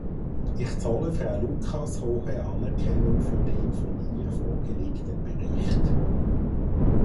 Ich zolle Frau Lucas hohe Anerkennung für den von ihr vorgelegten Bericht.